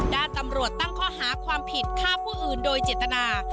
ด้านตำรวจตั้งข้อหาความผิดฆ่าผู้อื่นโดยเจตนา